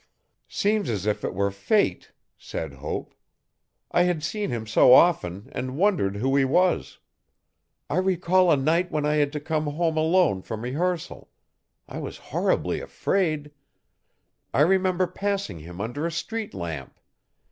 'Seems as if it were fate,' said Hope. 'I had seen him so often and wondered who he was. I recall a night when I had to come home alone from rehearsal. I was horribly afraid. I remember passing him under a street lamp.